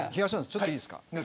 ちょっといいですか。